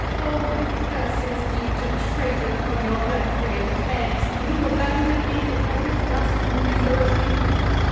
—all the curses due to traitors upon your recreant heads, do you abandon me to perish thus miserably!